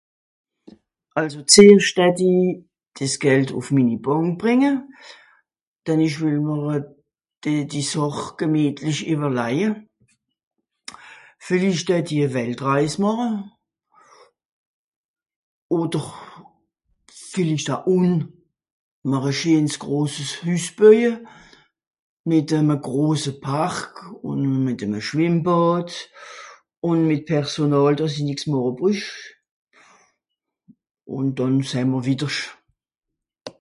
Àlso zeerscht datt-i dìs Geld ùff minni banque brìnge, dann ìch wìll mr euh... de... die Sàch gemìetlich ìwwerlaje. Vìllicht oe die Weltreis màche. Odder vìllicht a ùn... màch a scheens groses Hüsböje, mìt'eme grose Park ùn mìt'eme Schwìmmbàd, ùn mìt Personàl, dàss i nìx màche brüch. ùn dànn säh'mr wittersch.